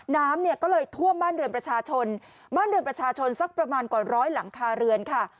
น้ำเนี่ยก็เลยท่วมบ้านเรือนประชาชนบ้านเรือนประชาชนสักประมาณกว่าร้อยหลังคาเรือนค่ะ